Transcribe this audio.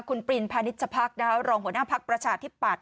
คุณปริณพาณิชย์ชะพักแล้วลองหัวหน้าปักประชาชน์ที่ปัด